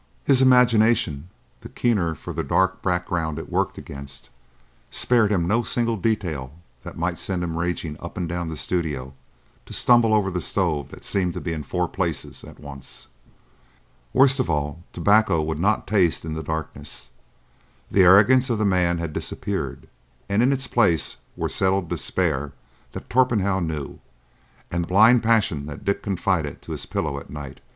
His imagination, the keener for the dark background it worked against, spared him no single detail that might send him raging up and down the studio, to stumble over the stove that seemed to be in four places at once. Worst of all, tobacco would not taste in the darkness. The arrogance of the man had disappeared, and in its place were settled despair that Torpenhow knew, and blind passion that Dick confided to his pillow at night.